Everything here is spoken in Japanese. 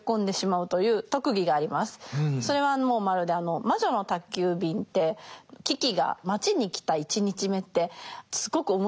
それはもうまるで「魔女の宅急便」ってキキが街に来た１日目ってすごく面白いじゃないですか。